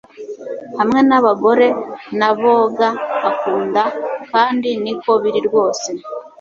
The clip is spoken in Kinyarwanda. Hamwe nabagore na boga akunda kandi niko biri rwose